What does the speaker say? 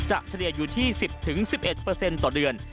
เฉลี่ยอยู่ที่๑๐๑๑ต่อเดือน